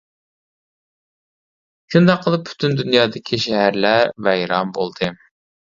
شۇنداق قىلىپ پۈتۈن دۇنيادىكى شەھەرلەر ۋەيران بولدى.